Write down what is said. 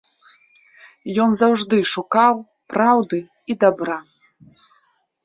Ён заўжды шукаў праўды і дабра.